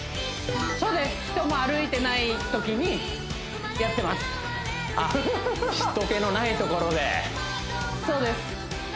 そうです人も歩いてないときにやってますあっ人けのないところでそうです